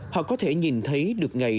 họ có thể nhìn thấy được ngày